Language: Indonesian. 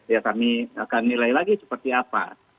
ya kami akan nilai lagi seperti apa